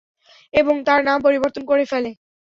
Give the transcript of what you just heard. এবং তার নাম পরিবর্তন করে ফেলে।